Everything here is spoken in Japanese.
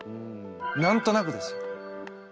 なんとなくですよ。